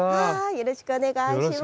よろしくお願いします。